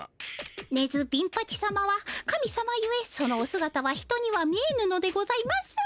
ネヅ貧パチ様は神様ゆえそのおすがたは人には見えぬのでございます。